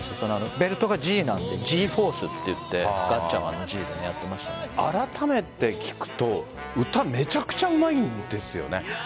ベルトがＺなのでジーフォースと言ってガッチャマンのＧであらためて聴くと歌めちゃくちゃうまいんですよね。